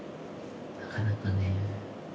なかなかね